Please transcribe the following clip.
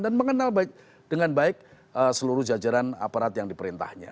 dan mengenal dengan baik seluruh jajaran aparat yang diperintahnya